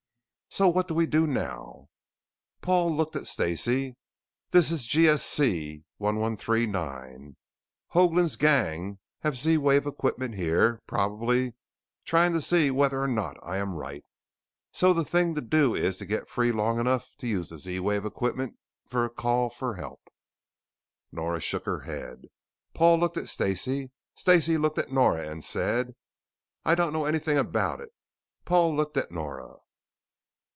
_" "So what do we do now?" Paul looked at Stacey. "This is G.S.C. 113; IX. Hoagland's gang have Z wave equipment here, probably trying to see whether or not I am right. So the thing to do is to get free long enough to use the Z wave equipment for a call for help." Nora shook her head. Paul looked at Stacey. Stacey looked at Nora and said, "I don't know anything about it." Paul looked at Nora.